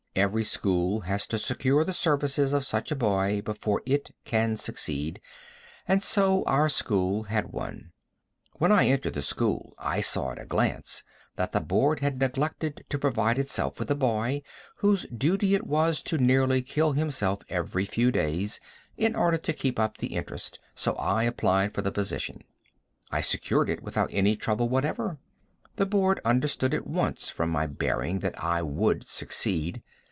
Every school has to secure the services of such a boy before it can succeed, and so our school had one. When I entered the school I saw at a glance that the board had neglected to provide itself with a boy whose duty it was to nearly kill himself every few days in order to keep up the interest so I applied for the position. I secured it without any trouble whatever. The board understood at once from my bearing that I would succeed.